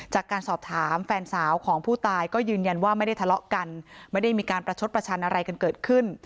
จากการสอบถามแฟนสาวของผู้ตายก็ยืนยันว่าไม่ได้ทะเลาะกันไม่ได้มีการประชดประชันอะไรกันเกิดขึ้น